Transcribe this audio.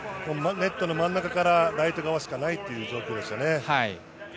ネットの真ん中からライト側しかないという状況でしたね。